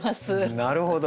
なるほど。